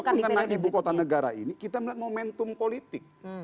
nah terkait pun karena ibu kota negara ini kita melihat momentum politik